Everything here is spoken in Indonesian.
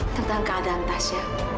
tentang keadaan tasya